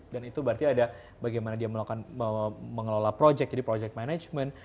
dan itu berarti ada bagaimana dia mengelola project jadi project management